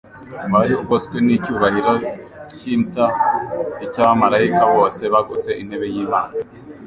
Wari ugoswe n'icyubahiro kimta icy'abamaraika bose bagose intebe y'Imana,